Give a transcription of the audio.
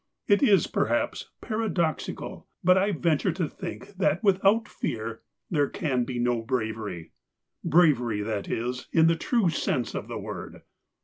It is perhaps paradoxical, but I venture to think that without fear there can be no bravery — bravery, that is, in the true sense of the word.